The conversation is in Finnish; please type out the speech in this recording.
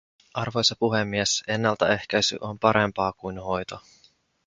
Arvoisa puhemies, ennaltaehkäisy on parempaa kuin hoito.